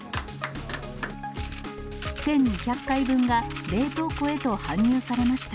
１２００回分が冷凍庫へと搬入されました。